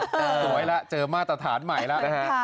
สวยแล้วเจอมาตรฐานใหม่แล้วนะฮะ